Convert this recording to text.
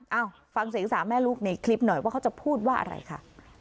เอ้าฟังเสียงสามแม่ลูกในคลิปหน่อยว่าเขาจะพูดว่าอะไรค่ะ